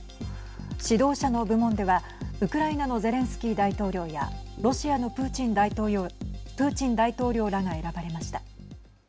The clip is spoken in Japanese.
指導者の部門ではウクライナのゼレンスキー大統領やロシアのプーチン大統領らが選ばれました。